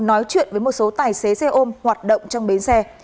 nói chuyện với một số tài xế xe ôm hoạt động trong bến xe